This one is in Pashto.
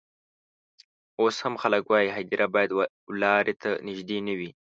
اوس هم خلک وايي هدیره باید و لاري ته نژدې نه وي.